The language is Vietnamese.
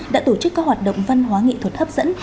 đã tổ chức các hoạt động văn hóa nghệ thuật hấp dẫn